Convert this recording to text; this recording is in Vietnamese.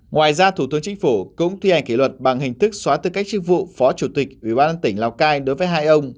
ngoài ra thủ tướng chính phủ cũng thi hành kỷ luật bằng hình thức xóa tư cách chức vụ phó chủ tịch ủy ban tỉnh lào cai đối với hai ông